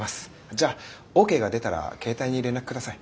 じゃあＯＫが出たら携帯に連絡下さい。